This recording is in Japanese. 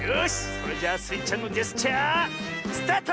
それじゃスイちゃんのジェスチャースタート！